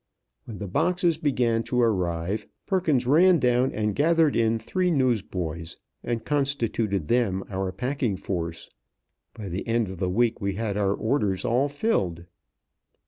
When the boxes began to arrive, Perkins ran down and gathered in three newsboys, and constituted them our packing force. By the end of the week we had our orders all filled.